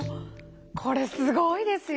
これすごいですよ！